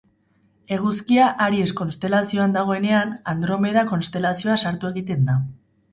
Eguzkia Aries konstelazioan dagoenean, Andromeda konstelazioa sartu egiten da.